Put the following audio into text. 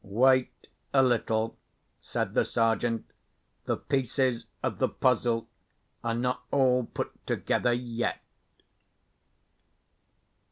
"Wait a little," said the Sergeant. "The pieces of the puzzle are not all put together yet."